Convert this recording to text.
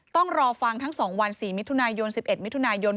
ต้องรอฟังทั้ง๒วัน๔มิถุนายน๑๑มิถุนายน